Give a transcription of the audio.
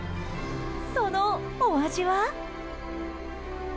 そのお味は？